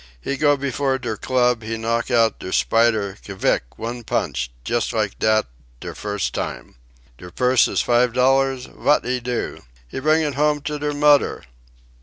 He go before der club; he knock out der Spider, k vick, one punch, just like dat, der first time. Der purse iss five dollar vat he do? He bring it home to der mudder.